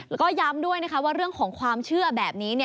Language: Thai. แล้วก็ย้ำด้วยนะคะว่าเรื่องของความเชื่อแบบนี้